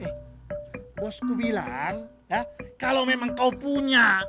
bosku bilang ya kalau memang kau punya